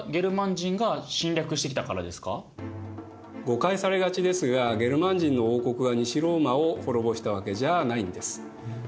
誤解されがちですがゲルマン人の王国が西ローマを滅ぼしたわけじゃないんです。